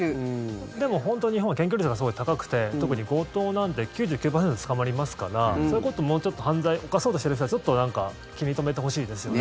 でもホント日本は検挙率がすごい高くて特に強盗なんて９９パーセント捕まりますからそういう事もうちょっと犯罪犯そうとしてる人はちょっとなんか気に留めてほしいですよね。